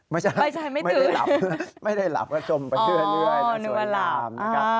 ไม่ใช่ไม่ได้หลับก็ชมไปเรื่อยนะสวยงามนะครับอ๋อนึกว่าหลับ